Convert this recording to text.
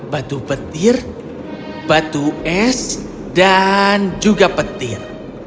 batu petir batu es dan juga petir